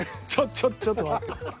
ちょっちょっと待って。